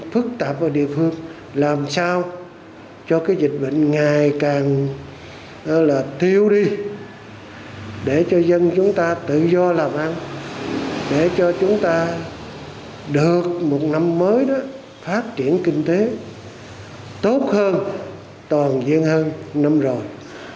phức tạp ở địa phương làm sao cho cái dịch bệnh ngày càng thiếu đi để cho dân chúng ta tự do làm ăn để cho chúng ta được một năm mới đó phát triển kinh tế tốt hơn toàn diện hơn năm rồi